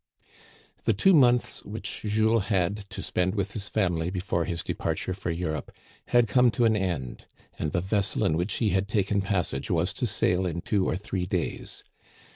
The two months which Jules had to spend with his family before his departure for Europe had come to an end, and the vessel in which he had taken passage was to sail in two or three days.